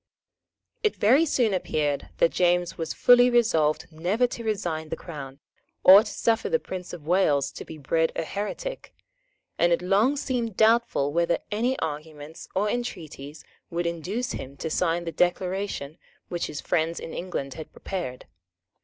It very soon appeared that James was fully resolved never to resign the Crown, or to suffer the Prince of Wales to be bred a heretic; and it long seemed doubtful whether any arguments or entreaties would induce him to sign the Declaration which his friends in England had prepared.